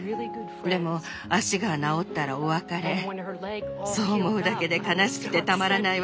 でも「足が治ったらお別れ」そう思うだけで悲しくてたまらない